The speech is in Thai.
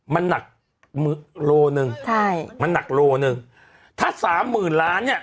มันหนักโลหนึ่งใช่มันหนักโลหนึ่งถ้าสามหมื่นล้านเนี่ย